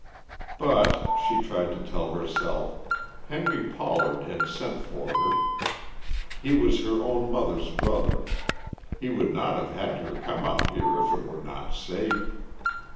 But, she tried to tell herself, Henry Pollard had sent for her, he was her own mother's brother, he would not have had her come here if it were not safe.